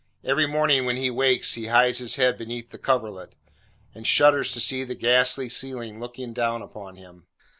Every morning when he wakes, he hides his head beneath the coverlet, and shudders to see the ghastly ceiling looking down upon him.